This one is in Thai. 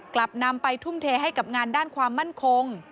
กลับนำไปทุ่มเทให้กับงานด้านความมั่นคง